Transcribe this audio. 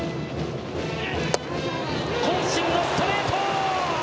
渾身のストレート！